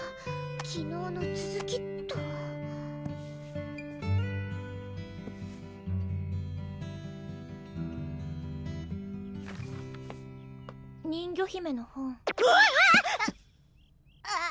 昨日のつづきっと人魚姫の本わっ！